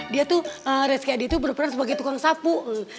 dia tuh resky adi tuh berperan sebagai tukang sapu